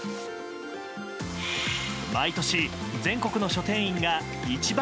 毎年、全国の書店員がいちばん！